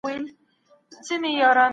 ولي د قانون حاکمیت د هري ټولني اساس دی؟